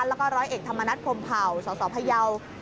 แล้วก็ร้อยเอกธรรมนัฐพรมเผ่าสสพยาว